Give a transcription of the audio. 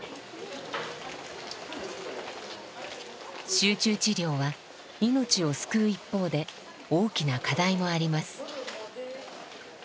集中治療は命を救う一方で大きな課題もあります。